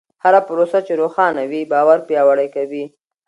هره پروسه چې روښانه وي، باور پیاوړی کوي.